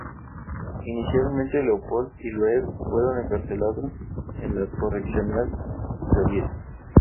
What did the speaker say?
Inicialmente, Leopold y Loeb fueron encarcelados en la Correccional Joliet.